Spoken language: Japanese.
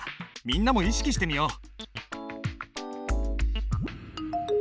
みんなも意識してみよう。